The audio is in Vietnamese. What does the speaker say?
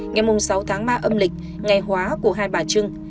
ngày sáu tháng ba âm lịch ngày hóa của hai bà trưng